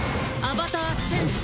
アバターチェンジ。